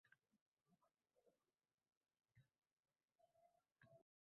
noloyiq nomzodlarni savollar bilan tergab